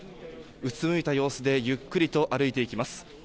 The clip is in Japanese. うつむいた様子でゆっくりと歩いていきます。